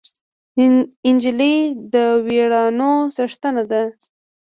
نجلۍ د ویاړونو څښتنه ده.